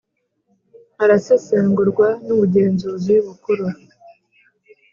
arasesengurwa n ubugenzuzi bukuru